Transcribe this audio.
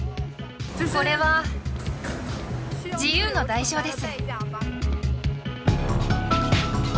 これは自由の代償です。